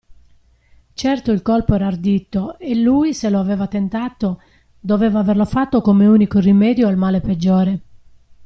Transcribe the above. Certo il colpo era ardito e lui, se lo aveva tentato, doveva averlo fatto come unico rimedio al male peggiore.